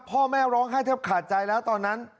พ่อแม่ร้องไห้แทบขาดใจแล้วตอนนั้น